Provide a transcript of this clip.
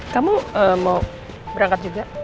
kamu mau berangkat juga